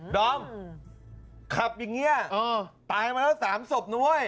ดอมขับอย่างนี้ตายมาแล้ว๓ศพนะเว้ย